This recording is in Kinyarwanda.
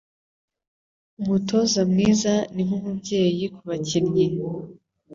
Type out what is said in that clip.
Umutoza mwiza ni nkumubyeyi kubakinnyi